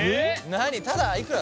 何ただいくら？